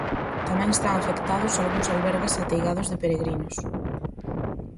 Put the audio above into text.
Tamén están afectados algúns albergues ateigados de peregrinos.